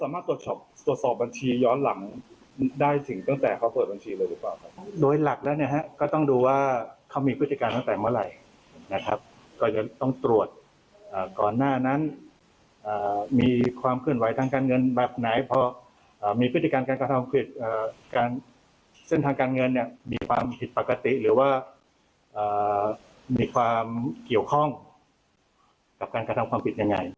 มีความเกี่ยวข้องกับการกระทำความผิดยังไง